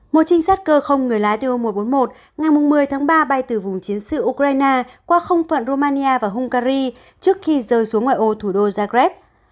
một trinh sát cơ không người lái do một trăm bốn mươi một ngày một mươi tháng ba bay từ vùng chiến sự ukraine qua không phận romania và hungary trước khi rơi xuống ngoài ô thủ đô jakeb